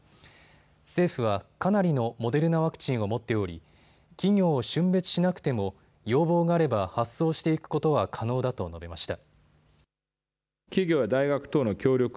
政府はかなりのモデルナワクチンを持っており企業をしゅん別しなくても、要望があれば発送していくことは可能だと述べました。